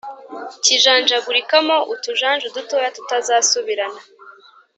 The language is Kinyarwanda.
kijanjagurikamo utujanju dutoya tutazasubirana,